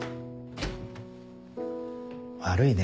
悪いね